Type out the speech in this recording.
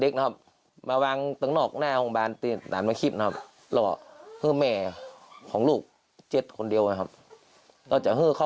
เอาอย่างนี้ลองฟังเสียงคุณพ่อเขาเล่าค่ะ